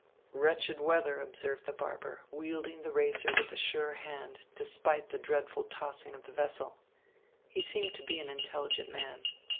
"Wretched weather," observed the barber, wielding the razor with a sure hand, despite the dreadful tossing of the vessel. He seemed to be an intelligent man.